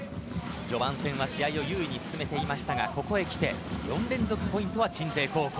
序盤戦は試合を優位に進めていましたがここにきて４連続ポイントは鎮西高校。